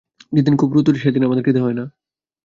যেদিন খুব রোদ ওঠে, সেদিন আমার খিদে হয় না।